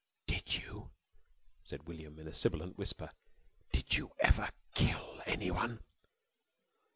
"Did you" said William in a sibilant whisper "did you ever kill anyone?"